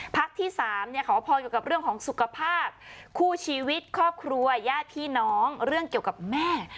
ที่๓ขอพรเกี่ยวกับเรื่องของสุขภาพคู่ชีวิตครอบครัวญาติพี่น้องเรื่องเกี่ยวกับแม่